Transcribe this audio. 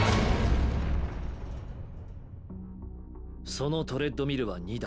その「トレッドミル」は２台。